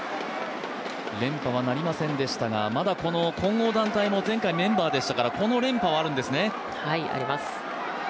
連覇はなりませんでしたが混合団体は前回メンバーでしたからこの連覇はあるんですね。